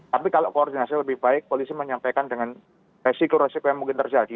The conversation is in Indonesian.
tapi kalau koordinasi lebih baik polisi menyampaikan dengan resiko resiko yang mungkin terjadi